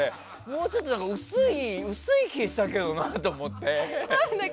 もうちょっと薄い気がしたけどなって思って。